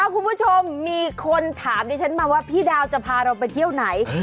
คุณผู้ชมมีคนถามดิฉันมาว่าพี่ดาวจะพาเราไปเที่ยวไหน